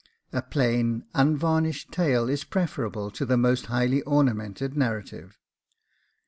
A plain unvarnished tale is preferable to the most highly ornamented narrative.